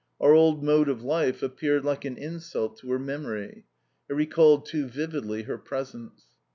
Our old mode of life appeared like an insult to her memory. It recalled too vividly her presence.